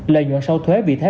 lợi nhuận sau thuế vì thế